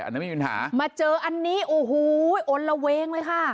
อันนั้นไม่มีปัญหามาเจออันนี้โอ้โหอ้นระเวงเลยค่ะ